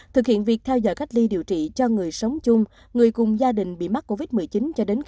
thực hiện việc theo dõi cách ly điều trị cho người sống chung người cùng gia đình bị mắc covid một mươi chín cho đến